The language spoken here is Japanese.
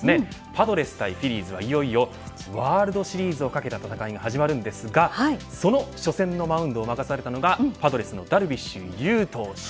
パドレス対フィリーズはいよいよワールドシリーズを懸けた戦いが始まるんですがその初戦のマウンドを託されたのはダルビッシュ有投手。